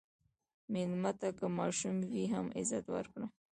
مېلمه ته که ماشوم وي، هم عزت ورکړه.